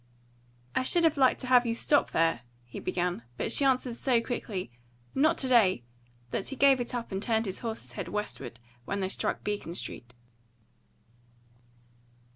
"I should have liked to have you stop there," he began; but she answered so quickly, "Not to day," that he gave it up and turned his horse's head westward when they struck Beacon Street.